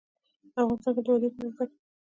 افغانستان کې د وادي په اړه زده کړه کېږي.